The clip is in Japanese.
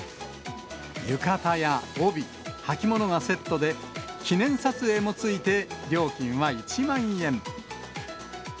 浴衣や帯、履物がセットで、記念撮影もついて、料金は１万円。